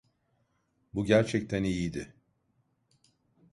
Bu gerçekten iyiydi.